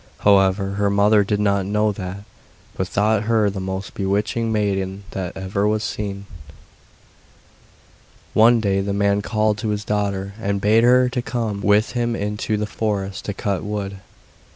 However, her mother did not know that, but thought her the most bewitching maiden that ever was seen. One day the man called to his daughter and bade her come with him into the forest to cut wood.